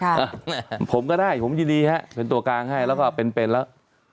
ผมก็ได้ผมยินดีฮะเป็นตัวกลางให้แล้วก็เป็นเป็นแล้ว